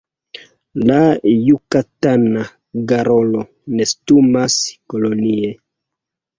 La Jukatana garolo nestumas kolonie.